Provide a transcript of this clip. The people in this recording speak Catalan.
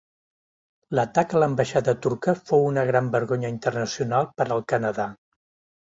L'atac a l'ambaixada turca fou una gran vergonya internacional per al Canadà.